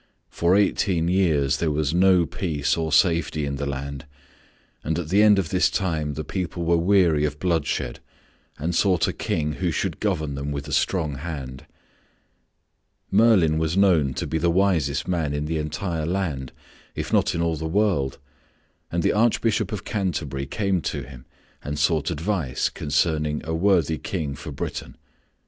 For eighteen years there was no peace or safety in the land, and at the end of this time the people were weary of bloodshed and sought a King who should govern them with a strong hand. Merlin was known to be the wisest man in the entire land, if not in all the world, and the Archbishop of Canterbury came to him and sought advice concerning a worthy King for Britain.